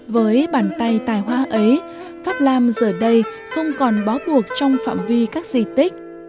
với bàn tay tài hoa ấy pháp lam giờ đây không còn bó buộc trong phạm vi các di tích